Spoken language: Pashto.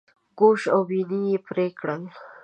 ګوش او بیني یې پرې کړل.